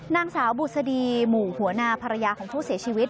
นางสาวบุษดีหมู่หัวนาภรรยาของผู้เสียชีวิต